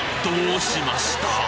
どうしました？